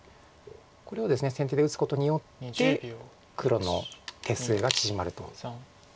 これをですね先手で打つことによって黒の手数が縮まると。